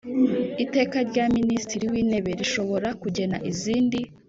Iteka rya Minisitiri w Intebe rishobora kugena izindi